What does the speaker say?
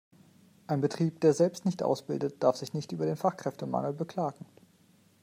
Ein Betrieb, der selbst nicht ausbildet, darf sich nicht über den Fachkräftemangel beklagen.